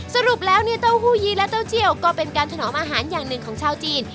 สรุปแล้วเนี่ยเต้าหู้ยีและเต้าเจียวก็เป็นการถนอมอาหารอย่างหนึ่งของชาวจีน